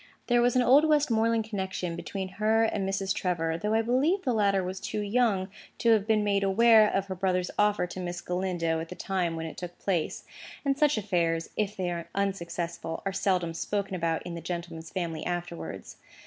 There was an old Westmoreland connection between her and Mrs. Trevor, though I believe the latter was too young to have been made aware of her brother's offer to Miss Galindo at the time when it took place; and such affairs, if they are unsuccessful, are seldom spoken about in the gentleman's family afterwards.